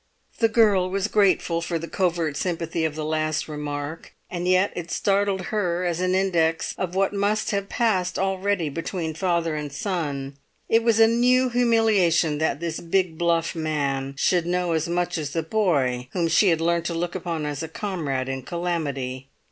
The girl was grateful for the covert sympathy of the last remark, and yet it startled her as an index of what must have passed already between father and son. It was a new humiliation that this big bluff man should know as much as the boy whom she had learnt to look upon as a comrade in calamity.